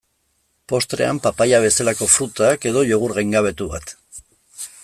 Postrean papaia bezalako frutak, edo jogurt gaingabetu bat.